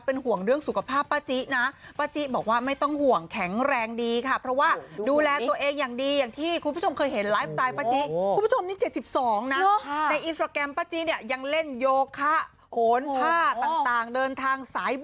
เป็นห่วงเรื่องสุขภาพป้าจี้นะ